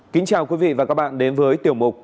kính chào quý vị và các bạn đến với tiểu mục